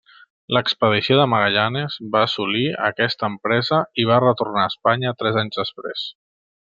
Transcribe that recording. L'expedició de Magallanes va assolir aquesta empresa i va retornar a Espanya tres anys després.